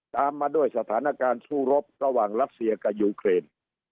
ตามมาด้วยสถานการณ์สู้รบระหว่างรัสเซียกับยูเครน